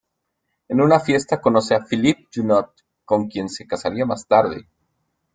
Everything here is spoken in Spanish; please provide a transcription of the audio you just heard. En una fiesta conoce a Philippe Junot, con quien se casaría más tarde.